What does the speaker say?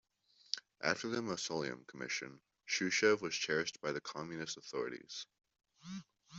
After the mausoleum commission, Shchusev was cherished by the Communist authorities.